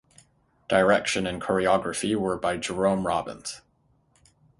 Direction and choreography were by Jerome Robbins.